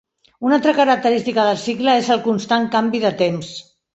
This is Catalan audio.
Una altra característica del cicle és el constant canvi de temps.